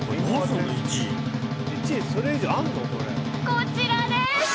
こちらです！